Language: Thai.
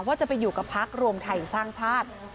ว่าจะไปอยู่กับพักรวมไทยสร้างชาติ